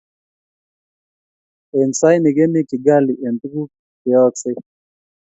eng saini kemi Kigali eng tukuk che yooksei